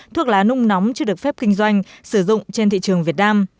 thuốc lá nung nóng chưa được phép kinh doanh sử dụng trên thị trường việt nam